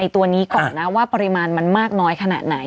ตัวนี้ก่อนนะว่าปริมาณมันมากน้อยขนาดไหน